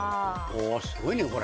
おぉすごいねこれ。